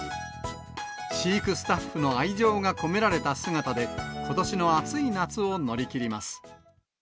飼育スタッフの愛情が込められた姿で、ことしの暑い夏を乗り切ります。